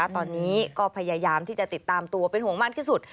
ตอนนี้ก็พยายามที่จะติดตามตัวเป็นห่วงมากที่สุด